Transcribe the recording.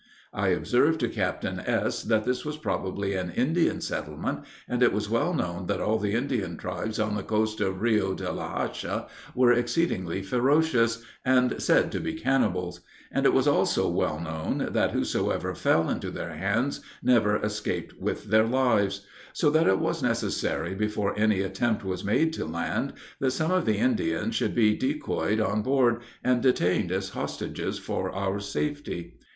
I observed to Captain S. that this was probably an Indian settlement, and it was well known that all the Indian tribes on the coast of Rio de La Hache were exceedingly ferocious, and said to be cannibals; and it was also well known, that whosoever fell into their hands, never escaped with their lives; so that it was necessary, before any attempt was made to land, that some of the Indians should be decoyed on board, and detained as hostages for our safety.